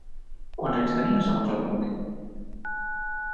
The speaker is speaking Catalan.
Quants anys tenia segons el document?